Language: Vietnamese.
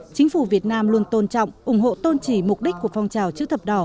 chính phủ việt nam luôn tôn trọng ủng hộ tôn trì mục đích của phong trào chữ thập đỏ